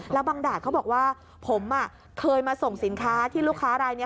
แล้วบางดาดเขาบอกว่าผมเคยมาส่งสินค้าที่ลูกค้ารายนี้